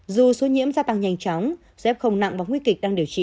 dù số nhiễm gia tăng nhanh chóng số ép công nặng và nguy kịch đang điều trị